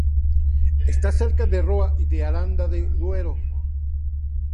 Está cerca de Roa y de Aranda de Duero.